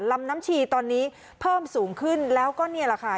ลำน้ำชีตอนนี้เพิ่มสูงขึ้นแล้วก็นี่แหละค่ะ